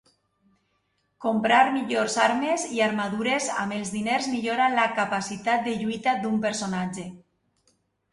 Comprar millors armes i armadures amb els diners millora la capacitat de lluita d'un personatge.